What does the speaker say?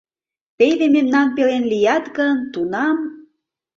Теве мемнан пелен лият гын, тунам...